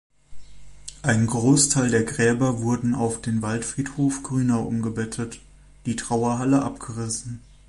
Ein Großteil der Gräber wurden auf den Waldfriedhof Grünau umgebettet, die Trauerhalle abgerissen.